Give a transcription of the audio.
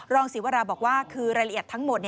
ศิวราบอกว่าคือรายละเอียดทั้งหมด